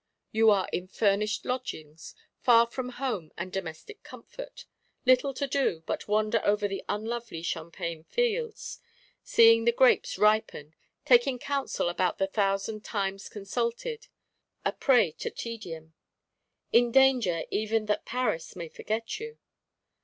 You are in furnished lodgings, far from home and domestic comfort: little to do, but wander over the unlovely Champagne fields; seeing the grapes ripen; taking counsel about the thousand times consulted: a prey to tedium; in danger even that Paris may forget you.